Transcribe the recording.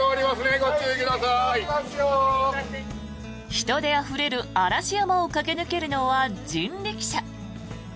人であふれる嵐山を駆け抜けるのは人力車。